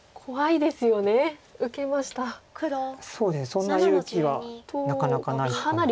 そんな勇気はなかなかないかな。